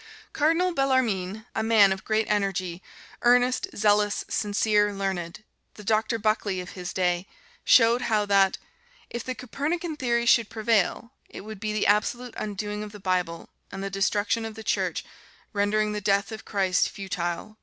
Cardinal Bellarmine, a man of great energy, earnest, zealous, sincere, learned the Doctor Buckley of his day showed how that: "if the Copernican Theory should prevail, it would be the absolute undoing of the Bible, and the destruction of the Church, rendering the death of Christ futile.